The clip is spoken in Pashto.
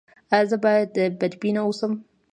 ایا زه باید بدبین اوسم؟